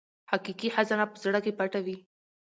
حقیقي خزانه په زړه کې پټه وي.